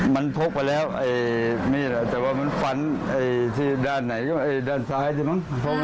มันพกไปแล้วแต่ว่ามันฟันด้านไหนด้านซ้ายปั๊บ